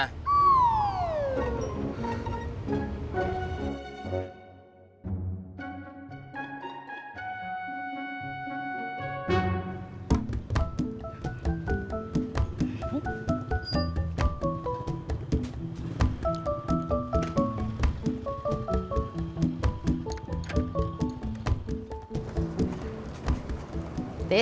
pokoknya dengan berdengker